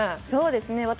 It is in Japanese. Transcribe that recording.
そうですね。